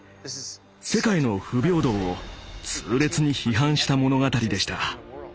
世界の不平等を痛烈に批判した物語でした。